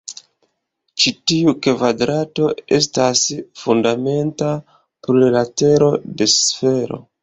Ĉi tiu kvadrato estas fundamenta plurlatero de sfero.